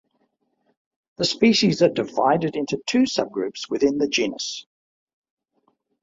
The species are divided into two subgroups within the genus.